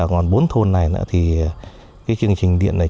còn bốn thôn này thì cái chương trình điện này